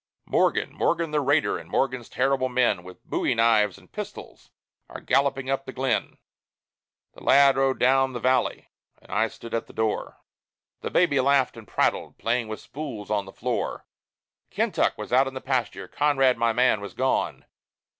Morgan, Morgan the raider, and Morgan's terrible men, With bowie knives and pistols, are galloping up the glen!" The lad rode down the valley, and I stood still at the door; The baby laughed and prattled, playing with spools on the floor; Kentuck was out in the pasture; Conrad, my man, was gone.